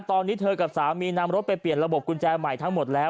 ตอนนี้เธอกับสามีนำรถไปเปลี่ยนระบบกุญแจใหม่ทั้งหมดแล้ว